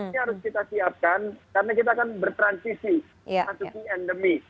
ini harus kita siapkan karena kita akan bertransisi